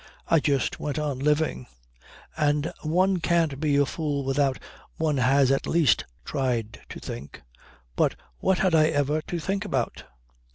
I just went on living. And one can't be a fool without one has at least tried to think. But what had I ever to think about?"